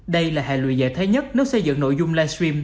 đây là hệ lụy dạy thay nhất nếu xây dựng nội dung live stream